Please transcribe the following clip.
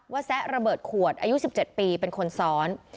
แซะระเบิดขวดอายุ๑๗ปีเป็นคนซ้อน